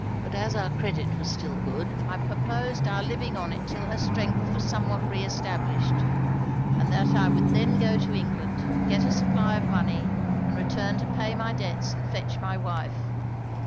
But as our credit was yet good, I purposed our living on it till her strength was somewhat re established, and that I would then go to England, get a supply of money, and return to pay my debts and fetch my wife.